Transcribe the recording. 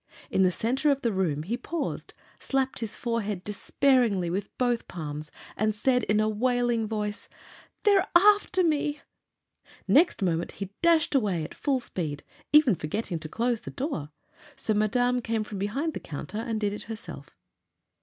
In the center of the room he paused, slapped his forehead despairingly with both palms, and said in a wailing voice: "They're after me!" Next moment he dashed away at full speed, even forgetting to close the door; so Madame came from behind the counter and did it herself.